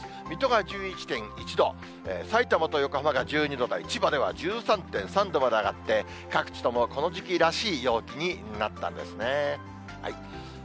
水戸が１１．１度、さいたまと横浜が１２度、千葉では１３．３度まで上がって、各地ともこの時期らしい陽気になったんですね。